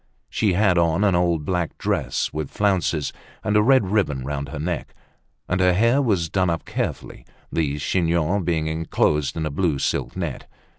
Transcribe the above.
She had on an old black dress with flounces, and a red ribbon round her neck; and her hair was done up carefully, the chignon being enclosed in a blue silk net.